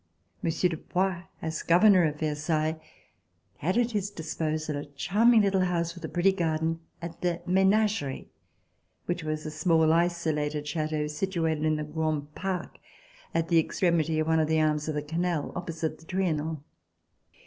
Monsieur de Poix, as Governor of Versailles, had at his disposal a charming little house with a pretty garden at the Menagerie, which was a small isolated chateau situ ated in the Grand Pare at the extremity of one of the arms of the canal, opposite the Trianon.